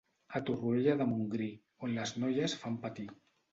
A Torroella de Montgrí, on les noies fan patir.